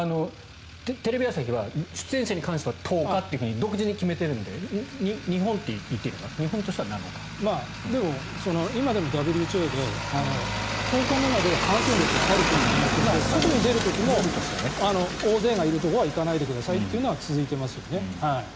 テレビ朝日は出演者に関しては１０日って独自に決めているので今でもＷＨＯで１０日目までは感染力があるということになっているので外に出る時も大勢がいるところは行かないでくださいというのは続いていますよね。